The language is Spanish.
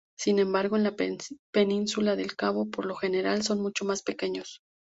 Sin embargo, en la Península del Cabo por lo general son mucho más pequeños.